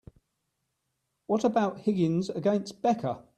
What about Higgins against Becca?